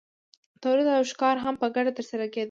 تولید او ښکار هم په ګډه ترسره کیده.